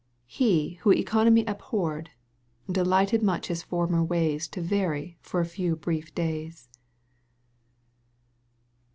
He who economy abhorred. Delighted much his former ways To vary for a few brief days.